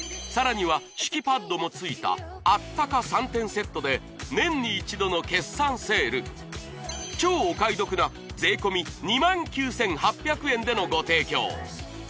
さらには敷きパッドもついたあったか３点セットで年に１度の決算セール超お買い得な税込２９，８００円でのご提供